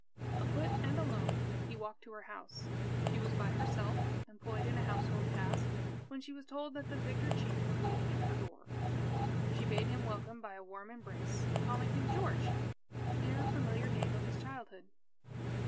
Afoot and alone, he walked to her house. She was by herself, employed in a household task, when she was told that the victor chief was waiting at her door. She bade him welcome by a warm embrace, calling him "George," the dear familiar name of his childhood.